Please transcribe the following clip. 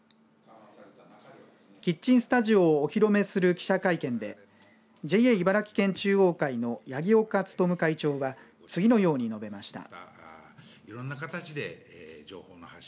キッチンスタジオをお披露目する記者会見でＪＡ茨城県中央会の八木岡努会長は次のように述べました。